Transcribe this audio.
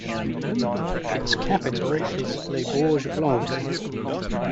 Its capital is Les Borges Blanques.